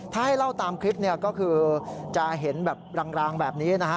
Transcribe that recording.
ถ้าให้เล่าตามคลิปเนี่ยก็คือจะเห็นแบบรางแบบนี้นะฮะ